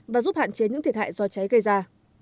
và giúp hạn chế những thiệt hại do cháy gây ra